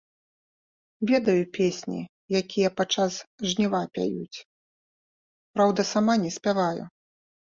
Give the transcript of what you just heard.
Ведаю песні, якія падчас жніва пяюць, праўда, сама не спяваю.